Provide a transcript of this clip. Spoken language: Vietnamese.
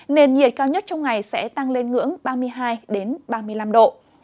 nền nhiệt cao nhất trong ngày sẽ tăng lên ngưỡng ba mươi hai ba mươi năm độ